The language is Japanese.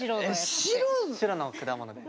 白の果物です。